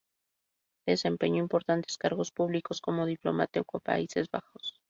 Desempeñó importantes cargos públicos, como diplomático en Países Bajos.